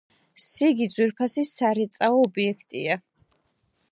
სიგი ძვირფასი სარეწაო ობიექტია.